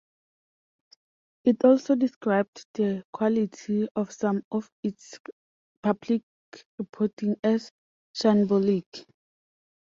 It also described the quality of some of its public reporting as "shambolic".